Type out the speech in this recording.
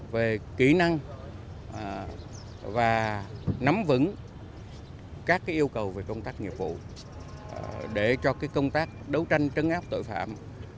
về kỹ năng và nắm vững các yêu cầu về công tác nghiệp vụ để cho công tác đấu tranh trấn áp tội phạm